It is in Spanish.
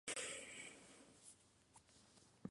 Al ser amenazados pueden liberar un olor desagradable.